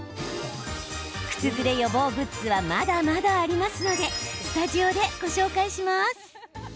靴ずれ予防グッズはまだまだありますのでスタジオでご紹介します。